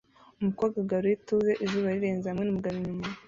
Umukobwa agarura ituze izuba rirenze hamwe numugabo inyuma